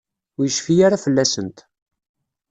Ur yecfi ara fell-asent.